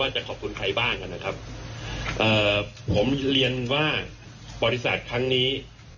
จะขอบคุณใครบ้างนะครับเอ่อผมเรียนว่าบริษัทครั้งนี้